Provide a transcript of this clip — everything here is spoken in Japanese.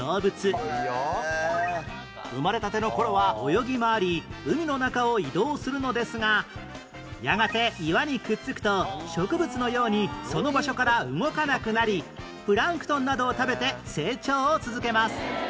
生まれたての頃は泳ぎ回り海の中を移動するのですがやがて岩にくっつくと植物のようにその場所から動かなくなりプランクトンなどを食べて成長を続けます